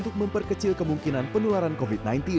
untuk memperkecil kemungkinan penularan covid sembilan belas